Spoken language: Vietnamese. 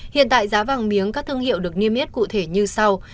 hiện tại giá vàng miếng các thương hiệu được niêm yết cụ thể như sau